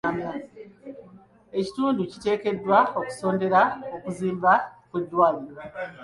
Ekitundu kiteekeddwa okusondera okuzimba kw'eddwaliro.